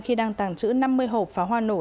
khi đang tàng trữ năm mươi hộp pháo hoa nổ